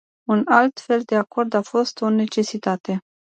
Un astfel de acord a fost o necesitate.